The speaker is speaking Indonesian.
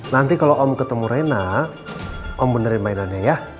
nanti kalo om ketemu renan om benerin mainannya ya